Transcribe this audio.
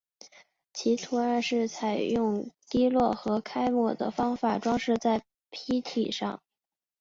其图案是采用滴落和揩抹的方法装饰在坯体上。